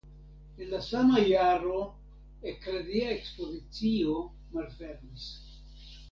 En la sama jaro eklezia ekspozicio malfermis.